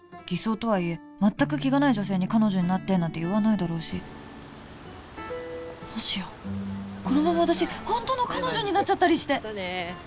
偽装とはいえまったく気がない女性に「彼女になって」なんて言わないだろうしもしやこのまま私本当の彼女になっちゃったりしてまたね